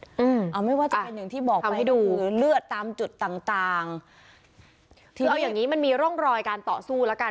อืมเอาไม่ว่าจะเป็นอย่างที่บอกไปให้ดูเลือดตามจุดต่างต่างคือเอาอย่างงี้มันมีร่องรอยการต่อสู้แล้วกัน